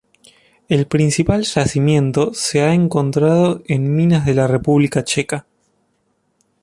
El principal yacimiento se ha encontrado en minas de la República checa.